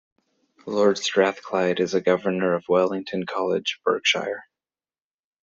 Lord Strathclyde is a Governor of Wellington College, Berkshire.